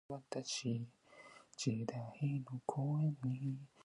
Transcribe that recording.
Eftam, yaaram haa weendu, min boo, mi waalo.